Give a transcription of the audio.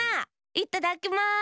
いっただきます！